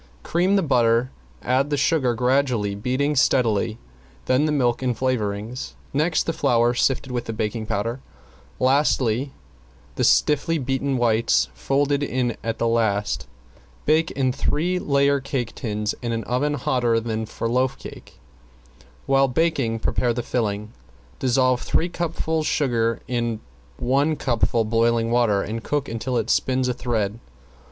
Cream the butter, add the sugar gradually, beating steadily, then the milk and flavoring, next the flour sifted with the baking powder, and lastly the stiffly beaten whites folded in at the last. Bake in three layer cake tins in an oven hotter than for loaf cake. While baking prepare the filling. Dissolve three cupfuls sugar in one cupful boiling water, and cook until it spins a thread.